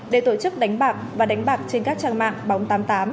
để tổ chức đánh bạc và đánh bạc trên các trang mạng bóng tám mươi tám